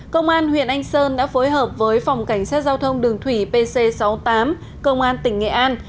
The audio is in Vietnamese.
công an huyện anh sơn đã phối hợp với phòng cảnh sát giao thông đường thủy pc sáu mươi tám công an tỉnh nghệ an